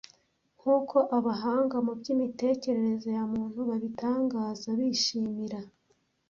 Nk’uko abahanga mu by'imitekerereze ya muntu babitangaza bishimira